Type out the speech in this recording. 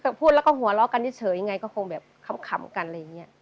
แต่พูดแล้วก็หัวเราะกันเฉยยังไงก็คงแบบขำกันอะไรอย่างนี้